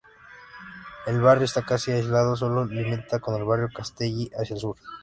El barrio está casi aislado solo limita con el barrio Castelli hacia el sur.